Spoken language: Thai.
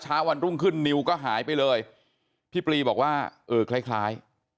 วันรุ่งขึ้นนิวก็หายไปเลยพี่ปลีบอกว่าเออคล้ายคล้าย